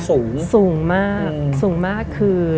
สูงเนี่ยสูงมากสูงมากคือ